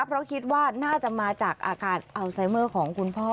เพราะคิดว่าน่าจะมาจากอาการอัลไซเมอร์ของคุณพ่อ